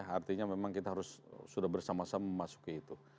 artinya memang kita harus sudah bersama sama memasuki itu